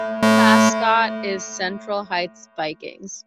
School mascot is Central Heights Vikings.